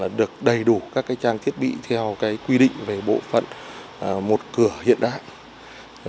đã được đầy đủ các trang thiết bị theo quy định về bộ phận một cửa hiện đại